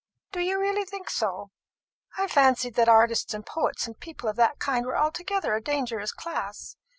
"Do you really think so? I fancied that artists and poets and people of that kind were altogether a dangerous class.